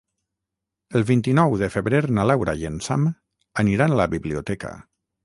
El vint-i-nou de febrer na Laura i en Sam aniran a la biblioteca.